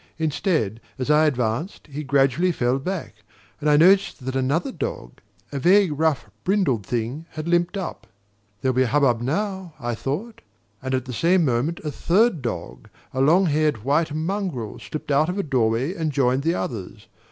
Instead, as I advanced, he gradually fell back, and I noticed that another dog, a vague rough brindled thing, had limped up. "There'll be a hubbub now," I thought; for at the same moment a third dog, a long haired white mongrel, slipped out of a doorway and joined the others.